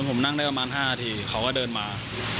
ผมนั่งได้ประมาณ๕นาทีเขาก็เดินมา